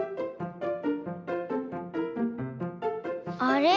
あれ？